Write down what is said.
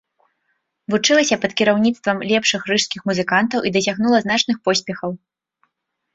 Вучылася пад кіраўніцтвам лепшых рыжскіх музыкантаў і дасягнула значных поспехаў.